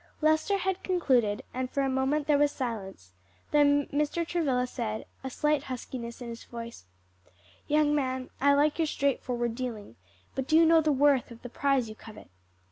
Lester had concluded, and for a moment there was silence, then Mr. Travilla said a slight huskiness in his voice, "Young man, I like your straightforward dealing; but do you know the worth of the prize you covet?"